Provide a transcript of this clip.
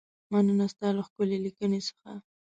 مننه ستا له ښکلې لیکنې څخه.